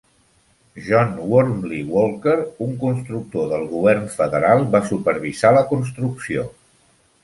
John Wormley Walker, un constructor del govern federal, va supervisar la construcció.